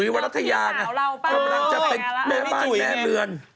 พวกกี่ทีทีค่าวเรามดเลย